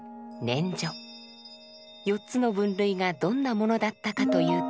四つの分類がどんなものだったかというと。